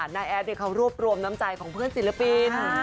แอดเขารวบรวมน้ำใจของเพื่อนศิลปิน